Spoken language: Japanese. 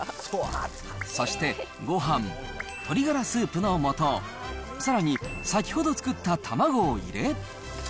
そして、ごはん、鶏ガラスープのもと、さらに、先ほど作った卵を入れ。